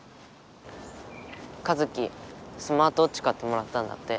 カズキスマートウォッチ買ってもらったんだって。